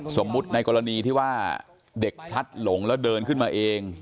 ในกรณีที่ว่าเด็กพลัดหลงแล้วเดินขึ้นมาเอง